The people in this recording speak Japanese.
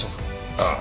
ああ。